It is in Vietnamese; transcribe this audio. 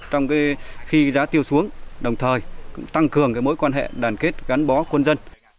trong khi giá tiêu xuống đồng thời tăng cường mối quan hệ đoàn kết gắn bó quân dân